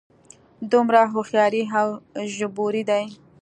دومره هوښیارې او ژبورې دي.